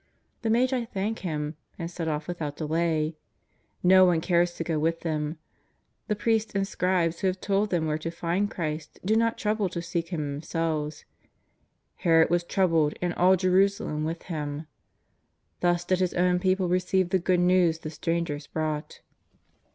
The Magi thank him and set off without delay. No one cares to go with them ; the priests and scribes who have told them where to find Christ do not trouble to seek Him themselves. " Herod was troubled and all Jerusalem with him." Thus did His own people receive the good news the strangers brought.